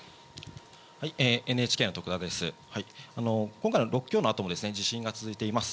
今回の６強のあとも、地震が続いています。